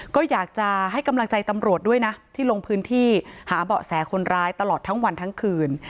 ก็อยากจะให้กำลังใจตำรวจด้วยนะที่ลงพื้นที่หาเบาะแสคนร้ายตลอดทั้งวันทั้งคืน